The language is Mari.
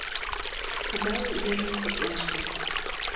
Кыдал йыжыҥ коклаште.